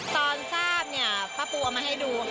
ตอนทราบเนี่ยป้าปูเอามาให้ดูค่ะ